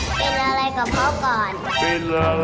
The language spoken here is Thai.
เป็นอะไรกับเขาก่อนเป็นอะไรกับเขาก่อน